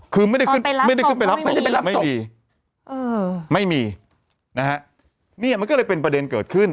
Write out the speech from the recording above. คือไม่ได้ขึ้นไปรับศพไม่มีไม่มีไม่มีนะฮะนี่มันก็เลยเป็นประเด็นเกิดขึ้น